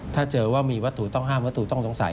ถ้าเจอว่ามีวัตถุต้องห้ามวัตถุต้องสงสัย